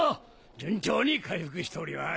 順調に回復しております。